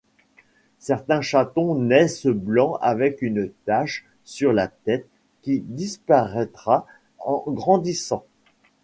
Certains chatons naissent blancs avec une tache sur la tête qui disparaîtra en grandissant.